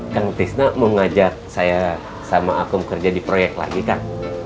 kang tisna mau ngajak saya sama akum kerja di proyek lagi kang